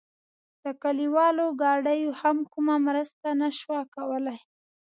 د کلیوالو ګاډیو هم کومه مرسته نه شوه کولای.